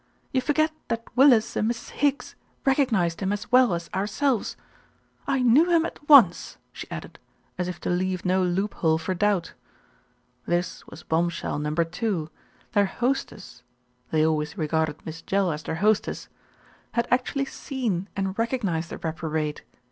"You forget that Willis and Mrs. Higgs recognised him as well as ourselves. I knew him at once," she added, as if to leave no loophole for doubt. This was bombshell number two. Their hostess they always regarded Miss Jell as their hostess, had actually seen and recognised the reprobate.